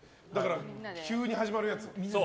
急に始まるやつ。